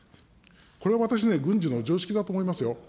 これは私ね、軍事の常識だと思いますよ。